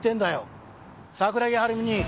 桜木春美に。